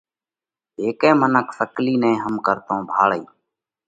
هيڪئہ منک سڪلِي نئہ هم ڪرتون ڀاۯئِي۔